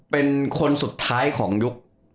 เป็นคนสุดท้ายของยุค